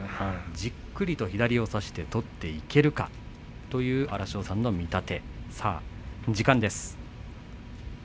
じっくりと左を取っていけるかという荒汐さんの見立て。